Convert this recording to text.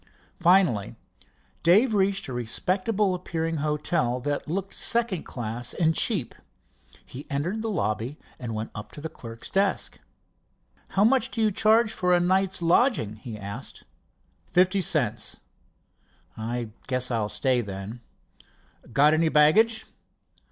Finally Dave reached a respectable appearing hotel that looked second class and cheap. He entered the lobby and went up to the clerk's desk. "How much do you charge for a night's lodging?" he asked. "Fifty cents." "I guess I'll stay, then." "Got any baggage?"